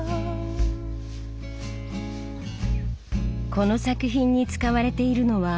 この作品に使われているのは２０色。